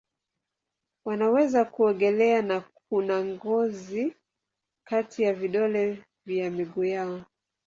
Wanaweza kuogelea na kuna ngozi kati ya vidole vya miguu yao.